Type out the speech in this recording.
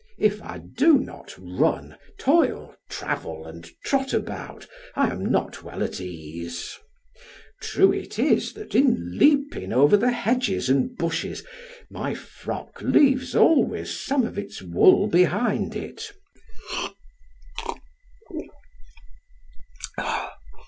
If I do not run, toil, travel, and trot about, I am not well at ease. True it is that in leaping over the hedges and bushes my frock leaves always some of its wool behind it.